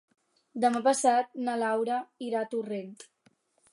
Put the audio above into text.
Demà passat na Laura irà a Torrent.